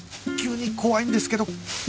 急に怖いんですけど